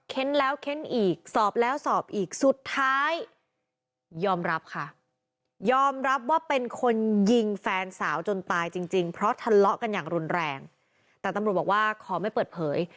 แล้วเค้นอีกสอบแล้วสอบอีกสุดท้ายยอมรับค่ะยอมรับว่าเป็นคนยิงแฟนสาวจนตายจริงจริงเพราะทะเลาะกันอย่างรุนแรงแต่ตำรวจบอกว่าขอไม่เปิดเผย